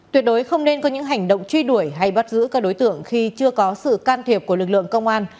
tuyệt đối không nên có những hành động truy đuổi hay bắt giữ các đối tượng khi chưa có sự can thiệp của lực lượng công an